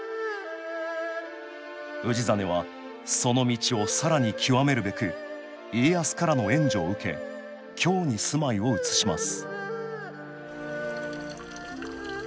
氏真はその道を更に究めるべく家康からの援助を受け京に住まいを移します